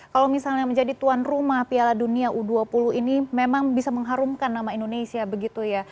kalau misalnya menjadi tuan rumah piala dunia u dua puluh ini memang bisa mengharumkan nama indonesia begitu ya